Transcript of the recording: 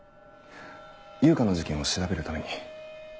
悠香の事件を調べるために。